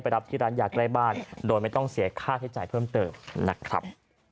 โดยไม่ต้องเสียค่าใช้จ่ายเพิ่มเติมนะครับ